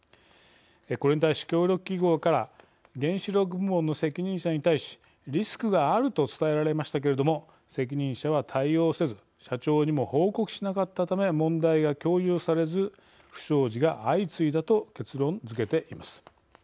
これに対し協力企業から原子力部門の責任者に対しリスクがあると伝えられましたけれども責任者は対応せず社長にも報告しなかったため問題が共有されず不祥事が相次いだと結論づけています。